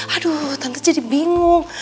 aduh tante jadi bingung